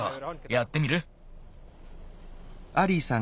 やってみる？